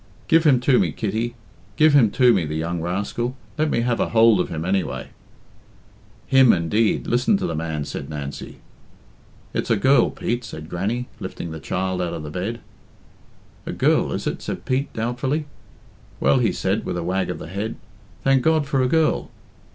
Give him to me, Kitty I give him to me, the young rascal. Let me have a hould of him, anyway." "Him, indeed! Listen to the man," said Nancy. "It's a girl, Pete," said Grannie, lifting the child out of the bed. "A girl, is it?" said Pete doubtfully. "Well," he said, with a wag of the head, "thank God for a girl."